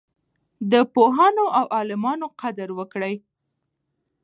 د پوهانو او عالمانو قدر وکړئ.